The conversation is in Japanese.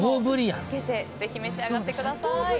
タレをつけてぜひ召し上がってみてください。